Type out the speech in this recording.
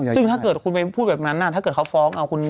ซึ่งถ้าเกิดคุณไปพูดแบบนั้นถ้าเกิดเขาฟ้อง